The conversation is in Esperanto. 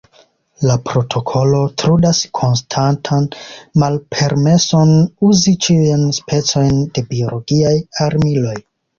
La protokolo trudas konstantan malpermeson uzi ĉiujn specojn de biologiaj armiloj.